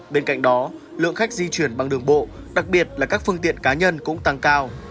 bên cạnh đó lượng khách di chuyển bằng đường bộ đặc biệt là các phương tiện cá nhân cũng tăng cao